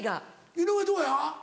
井上どうや？